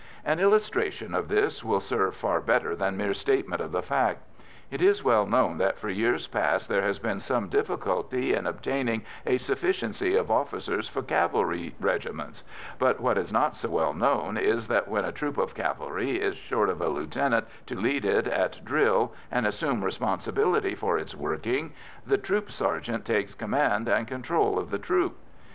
An illustration of this will serve far better than mere statement of the fact. It is well known that for years past there has been some difficulty in obtaining a sufficiency of officers for cavalry regiments, but what is not so well known is that, when a troop of cavalry is short of a lieutenant to lead it at drill and assume responsibility for its working, the troop sergeant takes command and control of the troop.